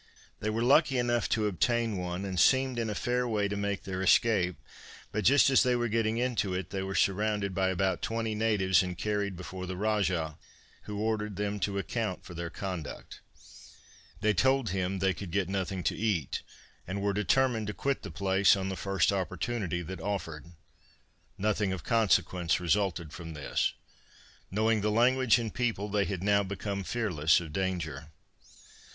They were lucky enough to obtain one and seemed in a fair way to make their escape, but just as they were getting into it they were surrounded by about twenty natives and carried before the Rajah, who ordered them to account for their conduct. They told him that they could get nothing to eat, and were determined to quit the place on the first opportunity that offered. Nothing of consequence resulted from this. Knowing the language and people they had now become fearless of danger.